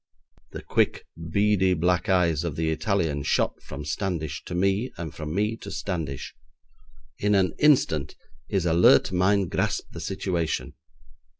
The quick, beady black eyes of the Italian shot from Standish to me, and from me to Standish. In an instant his alert mind grasped the situation.